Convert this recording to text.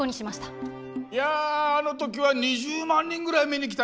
いやあの時は２０万人ぐらい見に来たからね。